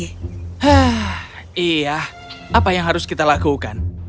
hah iya apa yang harus kita lakukan